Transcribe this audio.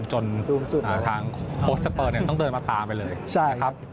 จนทางโค้ชสเปอร์เนี่ยต้องเดินมาตามไปเลยใช่ครับ